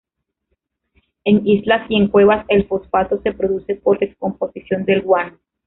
En islas y en cuevas, el fosfato se produce por descomposición del guano.